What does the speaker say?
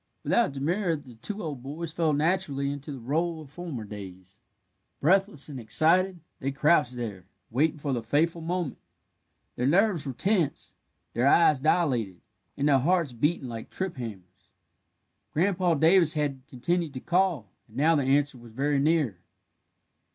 Without demur the two old boys fell naturally into the rôle of former days. Breathless and excited, they crouched there, waiting for the fateful moment. Their nerves were tense, their eyes dilated, and their hearts beating like trip hammers. Grandpa Davis had continued to call, and now the answer was very near.